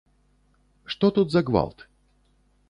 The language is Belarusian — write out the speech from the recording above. Што тут за гвалт?